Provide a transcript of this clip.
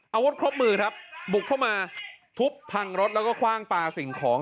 อาวุธครบมือครับบุกเข้ามาทุบพังรถแล้วก็คว่างปลาสิ่งของ